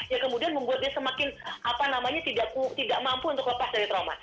ya kemudian membuatnya semakin apa namanya tidak mampu untuk lepas dari trauma